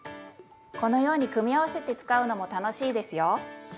このように組み合わせて使うのも楽しいですよ。